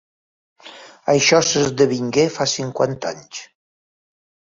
Això s'esdevingué fa cinquanta anys.